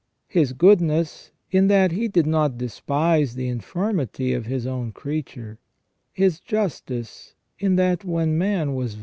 His goodness, in that He did not despise the infirmity of His own creature ; His justice, in that when man was THE RESTORATION OF MAN.